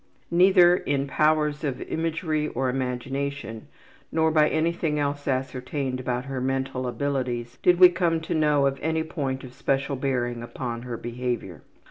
Neither in powers of imagery or imagination, nor by anything else ascertained about her mental abilities did we come to know of any point of special bearing upon her behavior.